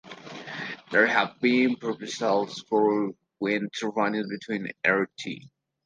There have been proposals for wind turbines between Rt.